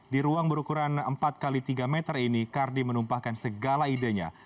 di ruang berukuran empat x tiga meter ini kardi menumpahkan segala idenya